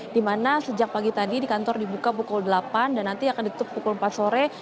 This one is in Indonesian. di mana sejak pagi tadi di kantor dibuka pukul delapan dan nanti akan ditutup pukul empat sore